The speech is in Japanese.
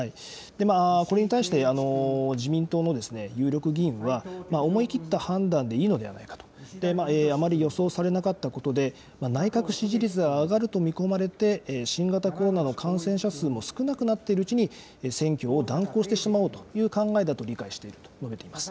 これに対して、自民党の有力議員は、思い切った判断でいいのではないかと、あまり予想されなかったことで、内閣支持率が上がると見込まれて、新型コロナの感染者数も少なくなっているうちに選挙を断行してしまおうという考えだと理解していると述べています。